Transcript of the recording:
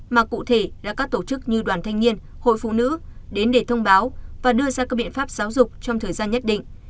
mà cụ thể là các tổ chức như đoàn thanh niên hội phụ nữ đến để thông báo và đưa ra các biện pháp giáo dục trong thời gian nhất định